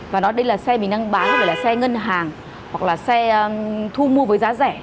và nói đây là xe mình đang bán rồi là xe ngân hàng hoặc là xe thu mua với giá rẻ